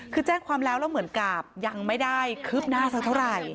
คือแจ้งความแล้วแล้วเหมือนกับยังไม่ได้คืบหน้าสักเท่าไหร่